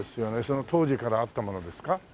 当時からあったものですか？